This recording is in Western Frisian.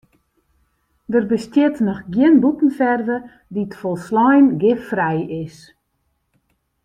Der bestiet noch gjin bûtenferve dy't folslein giffrij is.